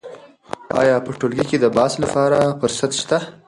آیا په ټولګي کې د بحث لپاره فرصت شته؟